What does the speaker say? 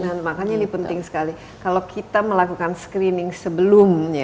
nah makanya ini penting sekali kalau kita melakukan screening sebelumnya